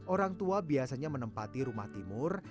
orang tua biasanya menempati rumah timur